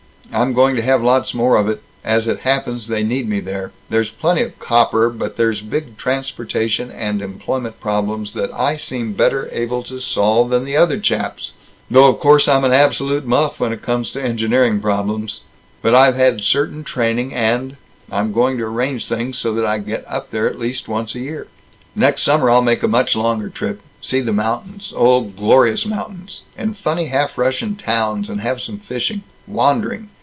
I'm going to have lots more of it. As it happens, they need me there. There's plenty of copper, but there's big transportation and employment problems that I seem better able to solve than the other chaps though of course I'm an absolute muff when it comes to engineering problems. But I've had certain training and I'm going to arrange things so that I get up there at least once a year. Next summer I'll make a much longer trip see the mountains oh, glorious mountains and funny half Russian towns, and have some fishing Wandering.